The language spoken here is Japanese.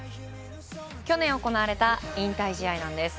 去年行われた引退試合なんです。